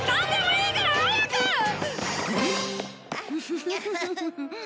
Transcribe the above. フフフフ。